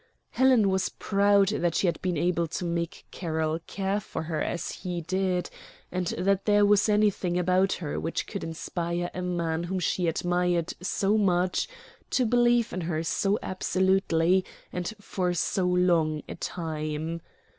Helen was proud that she had been able to make Carroll care for her as he did, and that there was anything about her which could inspire a man whom she admired so much, to believe in her so absolutely and for so long a time.